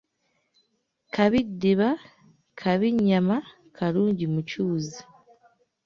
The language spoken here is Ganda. Kabi ddiba kabi nnyama kalungi "mucuuzi"